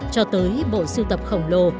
cho tới bộ siêu tập khổng lồ